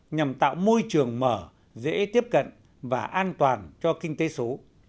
nhằm tạo môi trường mở dễ tiếp cận và an toàn cho kinh tế số